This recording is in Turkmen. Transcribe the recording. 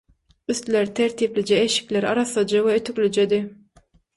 Üstleri tertiplije, eşikleri arassaja we ütüklijedi.